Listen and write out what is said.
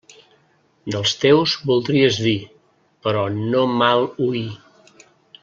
Dels teus voldries dir, però no mal oir.